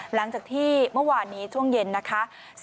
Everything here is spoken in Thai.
หลังจากที่เมื่อวานนี้ช่วงเย็นนะคะ